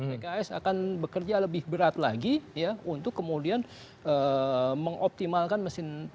pks akan bekerja lebih berat lagi ya untuk kemudian mengoptimalkan mesin